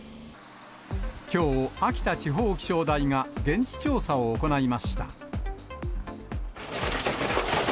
きょう、秋田地方気象台が現地調査を行いました。